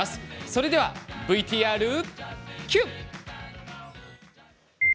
それではＶＴＲ、キュー！